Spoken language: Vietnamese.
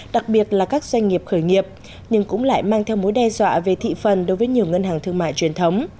đặc biệt là các doanh nghiệp khởi nghiệp nhưng cũng lại mang theo mối đe dọa về thị phần đối với nhiều ngân hàng thương mại truyền thống